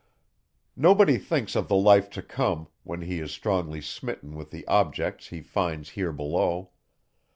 Nobody thinks of the life to come, when he is strongly smitten with the objects he finds here below.